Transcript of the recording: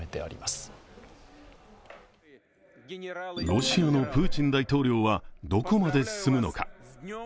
ロシアのプーチン大統領はどこまで進むのか。